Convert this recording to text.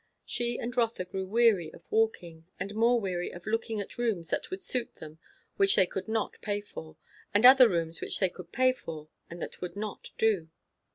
She and Rotha grew weary of walking, and more weary of looking at rooms that would suit them which they could not pay for, and other rooms which they could pay for and that would not do.